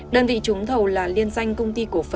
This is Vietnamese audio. đơn vị trúng thầu là liên danh công ty cổ phần